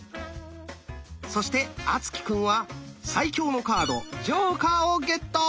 そして敦貴くんは最強のカード「ジョーカー」をゲット！